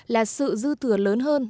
là sự dư thừa lớn hơn